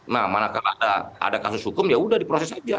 nah mana kalau ada kasus hukum ya sudah diproses saja